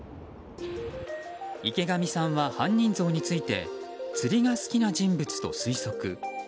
池上さんは、犯人像について釣りが好きな人物と推測。